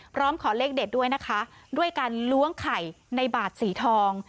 ขอเลขเด็ดด้วยนะคะด้วยการล้วงไข่ในบาทสีทอง